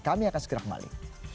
kami akan segera kembali